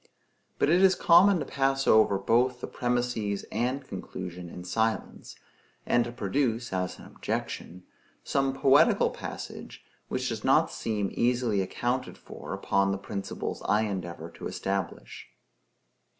But it is common to pass over both the premises and conclusion in silence, and to produce, as an objection, some poetical passage which does not seem easily accounted for upon the principles I endeavor to establish.